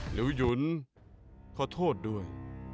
หรือหยุนขอโทษด้วย